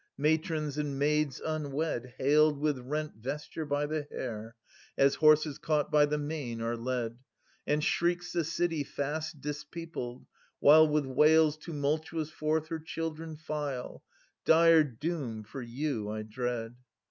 Matrons and maids unwed Haled with rent vesture by the hair, as horses Caught by the mane are led — And shrieks the city fast dispeopled, while 330 With wails tumultuous forth her children file —* Dire doom for you I dread